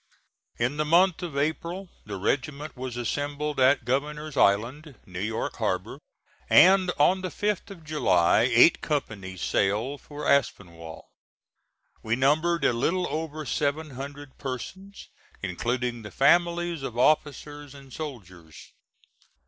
In the month of April the regiment was assembled at Governor's Island, New York Harbor, and on the 5th of July eight companies sailed for Aspinwall. We numbered a little over seven hundred persons, including the families of officers and soldiers.